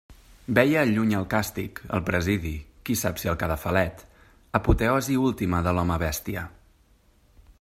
Veia al lluny el càstig, el presidi, qui sap si el cadafalet, apoteosi última de l'home-bèstia!